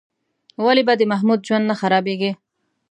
ولې به د محمود ژوند نه خرابېږي؟